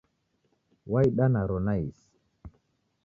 Waida naro naisi